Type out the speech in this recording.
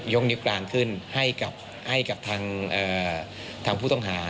นิ้วกลางขึ้นให้กับทางผู้ต้องหา